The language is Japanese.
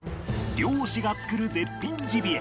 猟師が作る絶品ジビエ